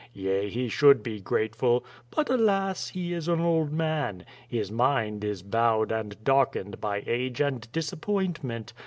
Yea, he should be grateful. But, alas! he is an old man. His mind is bowed and darkened by age and disappointment.